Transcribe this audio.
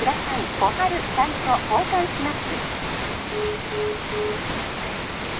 ☎心春さんと交換します